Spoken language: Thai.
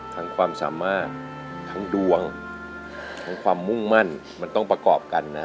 ความสามารถทั้งดวงทั้งความมุ่งมั่นมันต้องประกอบกันนะ